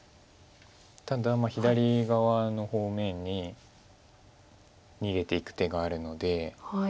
ただ左側の方面に逃げていく手があるので。